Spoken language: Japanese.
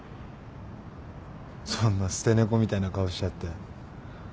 そんな捨て猫みたいな顔しちゃって。